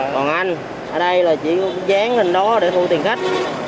còn anh ở đây là chỉ dán lên đó để thu tiền khách